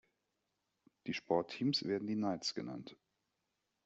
Die Sportteams werden die "Knights" genannt.